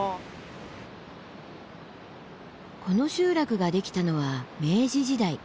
この集落ができたのは明治時代。